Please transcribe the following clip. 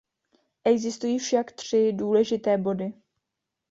Existují však tři důležité body.